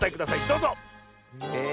どうぞ！え。